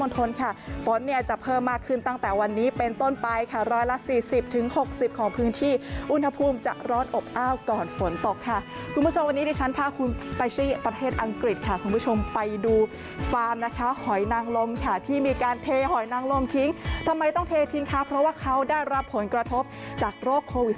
คนค่ะฟ้นเนี่ยจะเพิ่มมากขึ้นตั้งแต่วันนี้เป็นต้นไปค่ะร้อยละสี่สิบถึงหกสิบของพื้นที่อุณหภูมิจะรอดอบอ้าวก่อนฝนตกค่ะคุณผู้ชมวันนี้ที่ฉันพาคุณไปที่ประเทศอังกฤษค่ะคุณผู้ชมไปดูฟาร์มนะคะหอยนางลมค่ะที่มีการเทหอยนางลมทิ้งทำไมต้องเททิ้งค่ะเพราะว่าเขาได้รับผลกระทบจากโ